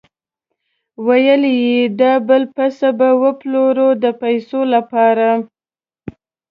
ویل یې دا بل پسه به وپلوري د پیسو لپاره.